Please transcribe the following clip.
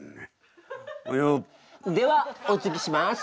ではおつぎします。